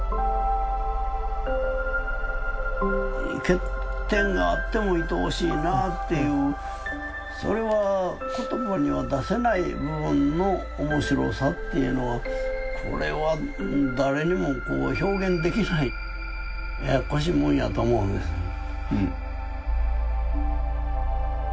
欠点があってもいとおしいなっていうそれは言葉には出せない部分の面白さっていうのはこれは誰にもこう表現できないややっこしいもんやと思うんですね。